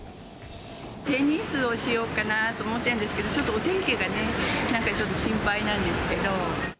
テニスをしようかなと思ってるんですけど、ちょっとお天気がね、なんかちょっと心配なんですけど。